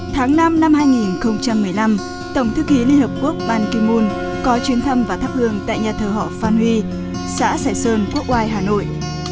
tháng năm năm hai nghìn một mươi năm tổng thư ký liên hợp quốc ban kim môn có chuyến thăm và thắp hương tại nhà thờ họ phan huy xã sài sơn quốc oai hà nội